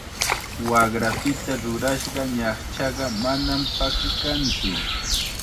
Waqrapita rurashqa ñaqchaqa manam pakikantsu.